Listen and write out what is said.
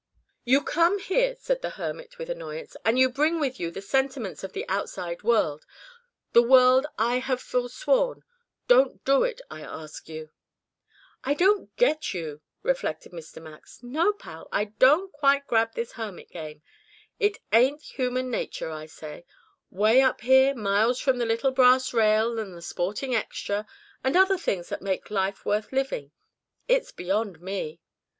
"You come here," said the hermit with annoyance, "and you bring with you the sentiments of the outside world the world I have foresworn. Don't do it. I ask you." "I don't get you," reflected Mr. Max. "No, pal, I don't quite grab this hermit game. It ain't human nature, I say. Way up here miles from the little brass rail and the sporting extra, and other things that make life worth living. It's beyond me."